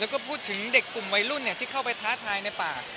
แล้วก็พูดถึงเด็กกลุ่มวัยรุ่นที่เข้าไปท้าทายในป่า